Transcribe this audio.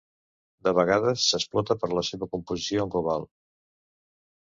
De vegades s'explota per la seva composició en cobalt.